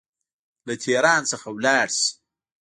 له تهران څخه ولاړ سي.